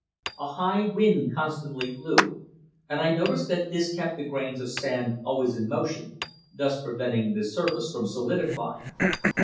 A high wind constantly blew, and I noticed that this kept the grains of sand always in motion, thus preventing the surface from solidifying.